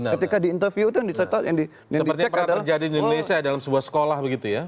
ketika diinterview itu yang dicek adalah